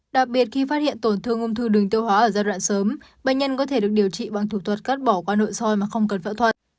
đặc biệt khi phát hiện tổn thương ung thư đường tiêu hóa ở giai đoạn sớm bệnh nhân có thể được điều trị bằng thủ thuật cắt bỏ qua nội soi mà không cần phẫu thuật